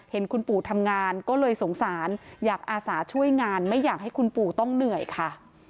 เห็นคุณปู่ทำงานก็เลยสงสารอยากอาสาช่วยงานไม่อยากให้คุณปู่ต้องเหนื่อยค่ะ